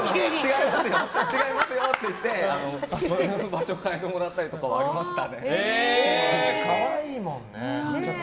違いますよって言って場所を変えてもらったりとかは可愛いもんね。